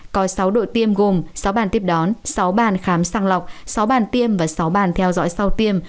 có sáu đội tiêm gồm sáu bàn tiếp đón sáu bàn khám sàng lọc sáu bàn tiêm và sáu bàn theo dõi sau tiêm